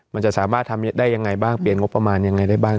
มันจะสามารถทำได้ยังไงบ้างเปลี่ยนงบประมาณยังไงได้บ้าง